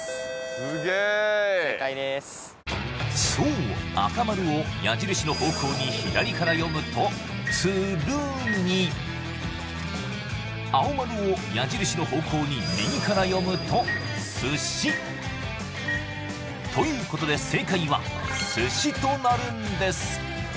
すげえ正解ですそう赤丸を矢印の方向に左から読むと「つるぎ」青丸を矢印の方向に右から読むと「すし」ということで正解は寿司となるんです